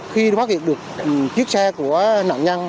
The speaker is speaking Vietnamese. khi phát hiện được chiếc xe của nạn nhân